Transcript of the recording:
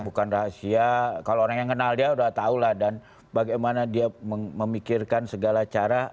bukan rahasia kalau orang yang kenal dia sudah tahu lah dan bagaimana dia memikirkan segala cara